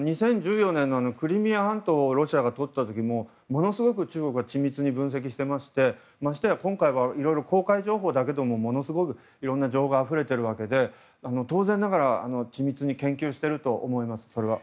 ２０１４年クリミア半島をロシアがとった時もものすごく中国は緻密に分析していましてましてや、今回はいろいろ公開情報だけでもものすごいいろんな情報があふれているわけで当然ながら、緻密に研究していると思います。